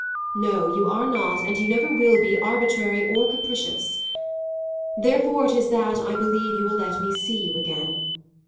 No, you are not, and you never will be, arbitrary or capricious. Therefore it is that I believe you will let me see you again.